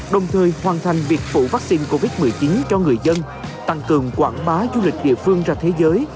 đồng thời hoàn thành việc phủ vaccine covid một mươi chín cho người dân tăng cường quảng bá du lịch địa phương ra thế giới